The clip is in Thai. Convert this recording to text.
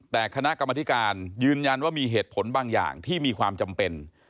แต่คณะกรรมธิการยืนยันว่ามีเหตุผลบางอย่างที่มีความจำเป็น